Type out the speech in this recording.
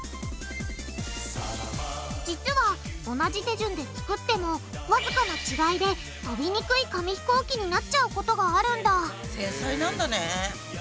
実は同じ手順で作ってもわずかな違いで飛びにくい紙ひこうきになっちゃうことがあるんだ繊細なんだね。